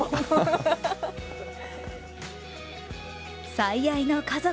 最愛の家族。